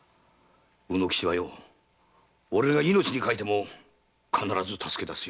卯之吉は俺が命に代えても必ず助け出すよ。